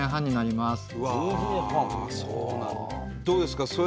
どうですか？